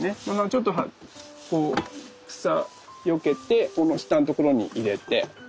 ちょっとこう草よけてこの下のところに入れて。